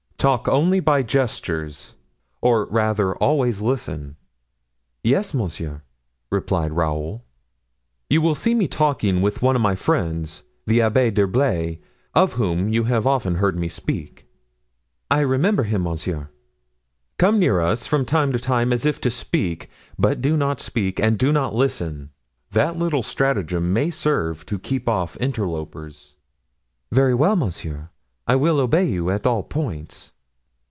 Talk only by gestures, or rather always listen." "Yes, monsieur," replied Raoul. "You will see me talking with one of my friends, the Abbé d'Herblay, of whom you have often heard me speak." "I remember him, monsieur." "Come near to us from time to time, as if to speak; but do not speak, and do not listen. That little stratagem may serve to keep off interlopers." "Very well, monsieur; I will obey you at all points."